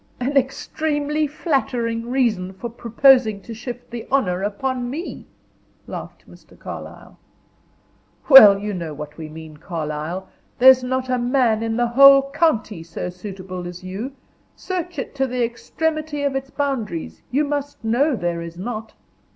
"An extremely flattering reason for proposing to shift the honor upon me," laughed Mr. Carlyle. "Well, you know what we mean, Carlyle; there's not a man in the whole county so suitable as you, search it to the extremity of its boundaries you must know there is not."